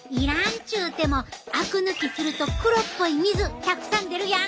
っちゅうてもあく抜きすると黒っぽい水たくさん出るやん。